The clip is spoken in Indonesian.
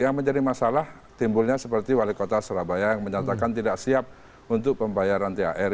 yang menjadi masalah timbulnya seperti wali kota surabaya yang menyatakan tidak siap untuk pembayaran thr